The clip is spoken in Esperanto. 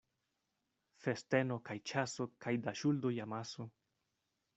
Festeno kaj ĉaso kaj da ŝuldoj amaso.